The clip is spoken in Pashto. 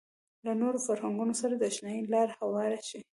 له نورو فرهنګونو سره د اشنايي لاره هواره شي.